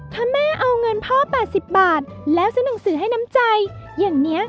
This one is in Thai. ถ้าแม่เอาเงินพ่อ๘๐บาทแล้วซื้อหนังสือให้น้ำใจอย่างนี้